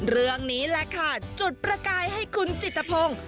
เรื่องนี้แหละค่ะจุดประกายให้คุณจิตภง